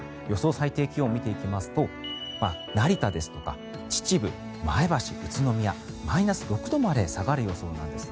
最低気温を見ていきますと成田ですとか秩父、前橋、宇都宮マイナス６度まで下がる予想なんです。